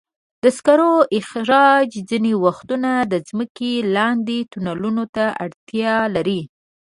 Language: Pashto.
د سکرو استخراج ځینې وختونه د ځمکې لاندې تونلونو ته اړتیا لري.